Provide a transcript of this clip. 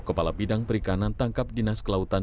kepala bidang perikanan tangkap dinas kelautan